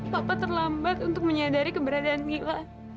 papa terlambat untuk menyadari keberadaan ngila